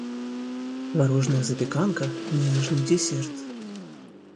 Творожная запеканка - нежный десерт.